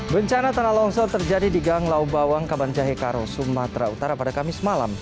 bencana tanah longsor terjadi di gang laubawang kabanjahe karo sumatera utara pada kamis malam